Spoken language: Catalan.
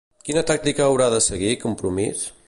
Quina tàctica haurà de seguir Compromís?